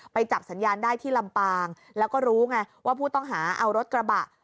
จับสัญญาณได้ที่ลำปางแล้วก็รู้ไงว่าผู้ต้องหาเอารถกระบะ